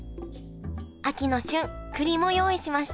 秋の旬くりも用意しました